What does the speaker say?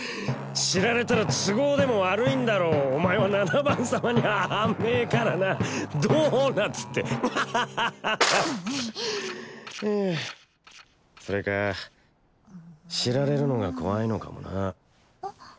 知られたら都合でも悪いんだろうお前は七番様には甘えからなドーナツってハハハそれか知られるのが怖いのかもな